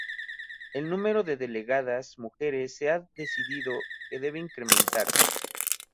El número de delegadas mujeres se ha decidido que debe incrementarse.